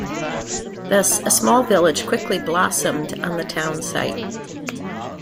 Thus a small village quickly blossomed on the town site.